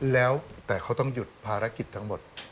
แล้วแต่เขาต้องหยุดภารกิจทั้งหมด